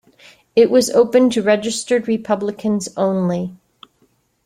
It was open to registered Republicans only.